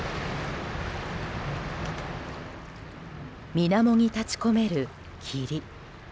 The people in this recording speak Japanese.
水面に立ち込める霧。